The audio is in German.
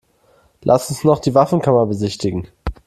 Lass uns noch die Waffenkammer besichtigen.